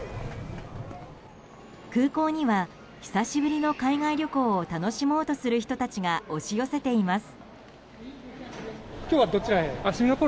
空港には久しぶりの海外旅行を楽しもうとする人たちが押し寄せています。